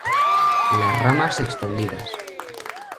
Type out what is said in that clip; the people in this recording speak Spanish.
Las ramas extendidas.